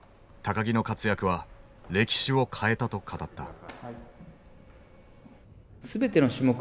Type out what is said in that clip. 木の活躍は歴史を変えたと語った。